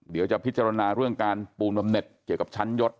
เดี๋ยวจะพิจารณาเรื่องการปูนบำเน็ตเกี่ยวกับชั้นยศ